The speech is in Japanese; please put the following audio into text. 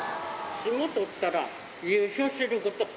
相撲取ったら、優勝すること！